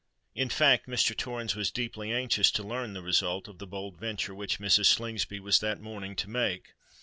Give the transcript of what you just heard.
In fact Mr. Torrens was deeply anxious to learn the result of the bold venture which Mrs. Slingsby was that morning to make.